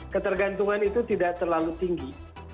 ketergantungan itu tidak terlalu tinggi